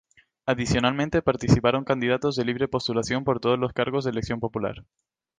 Adicionalmente, participaron candidatos de libre postulación por todos los cargos de elección popular.